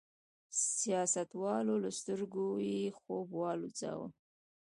سیاستوالو له سترګو یې خوب والوځاوه.